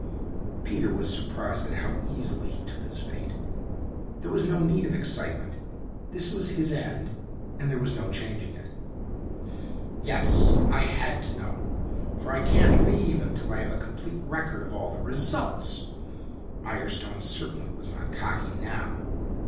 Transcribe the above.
Peter was surprised at how easily he took his fate. There was no need of excitement this was his end and there was no changing it. "Yes, I had to know, for I can't leave until I have a complete record of all the results." Mirestone certainly was not cocky now.